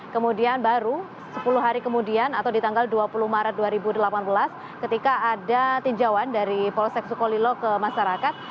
kemudian baru sepuluh hari kemudian atau di tanggal dua puluh maret dua ribu delapan belas ketika ada tinjauan dari polsek sukolilo ke masyarakat